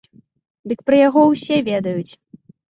Дык пра яго ўсе ведаюць!